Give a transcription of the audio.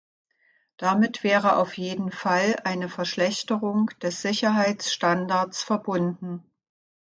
Damit wäre auf jeden Fall eine Verschlechterung des Sicherheitsstandards verbunden.